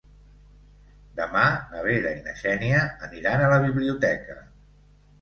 Demà na Vera i na Xènia aniran a la biblioteca.